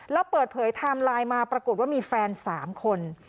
แล้วเปิดเผยไทม์ไลน์มาปรากฏว่ามีแฟน๓คน